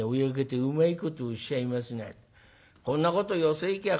こんなこと寄席行きゃ